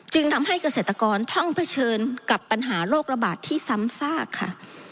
ทำให้เกษตรกรต้องเผชิญกับปัญหาโรคระบาดที่ซ้ำซากค่ะ